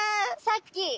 さっき。